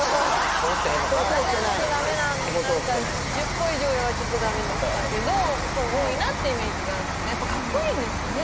私はちょっとダメなの１０個以上上はちょっとダメでしたけどそう多いなってイメージがあってやっぱかっこいいんですかね？